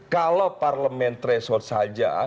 kalau parlement threshold saja